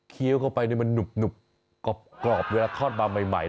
เคี้ยวเข้าไปนี่มันนุบกรอบเวลาคลอดมาใหม่